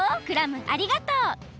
クラムありがとう！